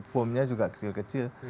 pom nya juga kecil kecil